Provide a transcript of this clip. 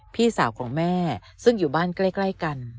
พี่สาวของแม่ซึ่งอยู่บ้านใกล้กัน